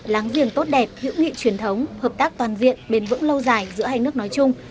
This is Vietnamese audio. láng giềng tốt đẹp hữu nghị truyền thống hợp tác toàn diện bền vững lâu dài giữa hai nước nói chung